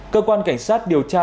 cơ quan cảnh sát điều tra